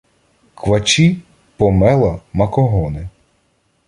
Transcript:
Квачі, помела, макогони